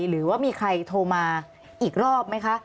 หรือว่ามีใครโทรมาอีกรอบไหมคะ